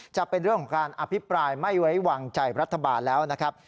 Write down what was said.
จะเป็นเรื่องของการอภิปรายไม่ไว้วางใจรัฐบาลแล้วนะครับ